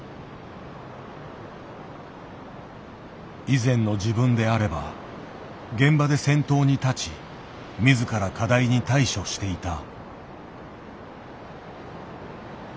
以前の自分であれば現場で先頭に立ち自ら課題に対処していた。